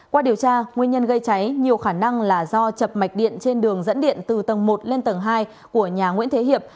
qua điều tra nguyên nhân gây cháy nhiều khả năng là do chập mạch điện trên đường dẫn điện từ tầng một lên tầng hai của nhà nguyễn thế hiệp